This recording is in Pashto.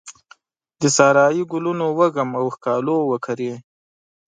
د سارایې ګلونو وږم او ښکالو وکرې